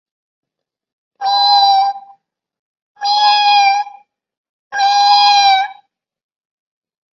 നിങ്ങളുടെ ഭാര്യയുടെ കാര്യത്തില് എനിക്ക് വിഷമമുണ്ട് കൂപര്